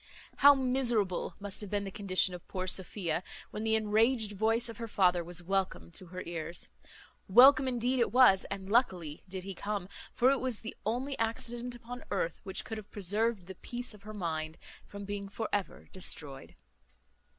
How miserable must have been the condition of poor Sophia, when the enraged voice of her father was welcome to her ears! Welcome indeed it was, and luckily did he come; for it was the only accident upon earth which could have preserved the peace of her mind from being for ever destroyed.